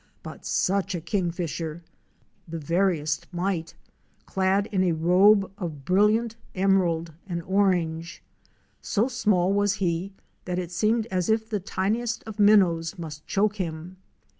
But such a Kingfisher! — the veriest mite, clad in a robe of brilliant emerald and orange. So small was he that it seemed as if the tiniest of minnows must choke him.